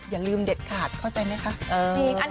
อย่าลืมเด็ดขาดเข้าใจไหมคะ